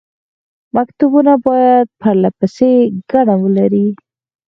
مکتوبونه باید پرله پسې ګڼه ولري.